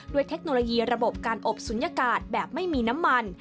เทคโนโลยีระบบการอบศูนยากาศแบบไม่มีน้ำมัน